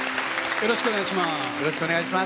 よろしくお願いします。